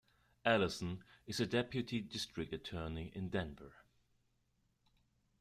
Alison is a Deputy District Attorney in Denver.